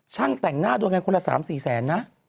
ช่างแต่งหน้าโดนเงินคนละ๓๔แสนนะ